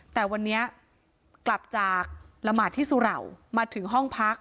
แต่วันนี้กลับจากละหมาดที่สุเหล่ามาถึงห้องพัก